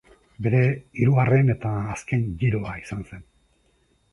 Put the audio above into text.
Bere hirugarren eta azken giroa izan zen.